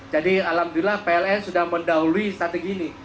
jadi alhamdulillah pln sudah mendahului strategi ini